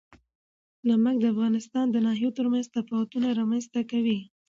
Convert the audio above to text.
نمک د افغانستان د ناحیو ترمنځ تفاوتونه رامنځ ته کوي.